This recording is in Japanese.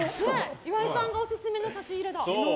岩井さんがオススメの差し入れだ。